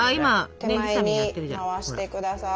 手前に回してください。